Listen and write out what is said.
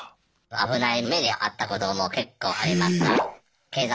危ない目にあったことも結構ありました。